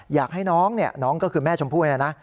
อยากให้น้องเนี่ยน้องก็คือแม่ชมพู่เนี่ยนะ